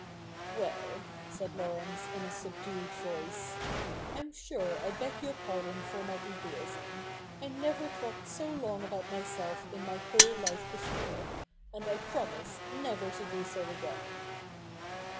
' Well,' said Laurence in a subdued voice, ' I'm sure I beg your pardon for my egoism. I never talked so 6o THE NEW REPUBLIC [bk. i long about myself in my whole life before ; and I promise never to do so again.'